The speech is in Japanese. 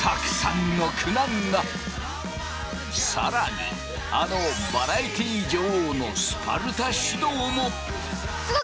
更にあのバラエティー女王のスパルタ指導も！？